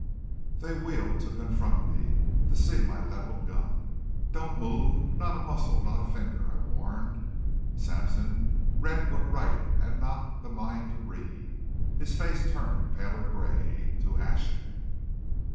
They wheeled to confront me, to see my leveled gun. "Don't move! Not a muscle! Not a finger!" I warned. Sampson read what Wright had not the mind to read. His face turned paler gray, to ashen.